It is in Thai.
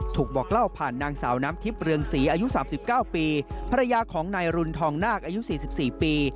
บอกเล่าผ่านนางสาวน้ำทิพย์เรืองศรีอายุ๓๙ปีภรรยาของนายรุนทองนาคอายุ๔๔ปี